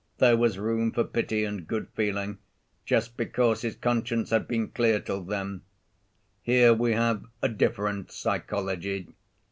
There was room for pity and good‐feeling just because his conscience had been clear till then. Here we have a different psychology.